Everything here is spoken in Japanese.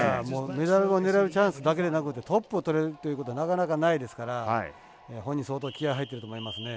メダルを狙えるチャンスだけでなくてトップをとれるということはなかなかないですから本人、相当気合い入ってると思いますね。